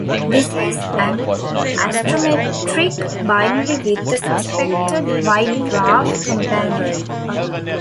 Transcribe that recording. This is an astrometric binary with a suspected white dwarf companion.